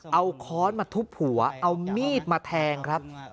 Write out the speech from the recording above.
เอาค้อนมาทุบหัวเอามีดมาแทงครับ